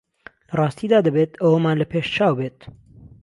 لە ڕاستیدا دەبێت ئەوەمان لە پێشچاو بێت